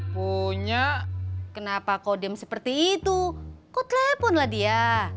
kau tak punya nomor telepon dia